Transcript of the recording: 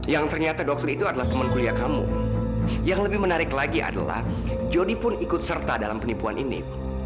yang ternyata dokter itu adalah teman kuliah kamu yang lebih menarik lagi adalah jody pun ikut serta dalam penipuan ini